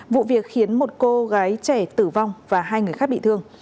vụ việc khiến một cô gái trẻ tử vong và hai người khác bị thương